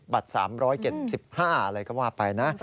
๓๗๕อะไรก็ว่าไปนะ